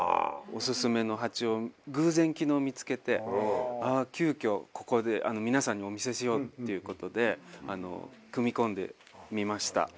オススメのハチを偶然昨日見つけて急きょここで皆さんにお見せしようっていうことで組み込んでみました。